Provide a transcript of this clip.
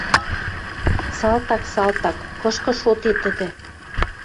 Салтак, салтак! Кышкы шоде тӹдӹ?